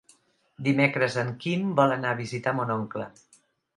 Dimecres en Quim vol anar a visitar mon oncle.